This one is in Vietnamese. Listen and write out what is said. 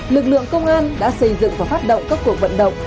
lực lượng công an đã xây dựng và phát động các cuộc vận động